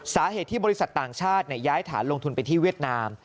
สาเหตุที่บริษัทต่างชาติย้ายฐานลงทุนไปที่เวียดนาม